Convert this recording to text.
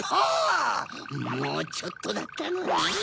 もうちょっとだったのに！